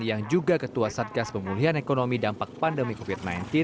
yang juga ketua satgas pemulihan ekonomi dampak pandemi covid sembilan belas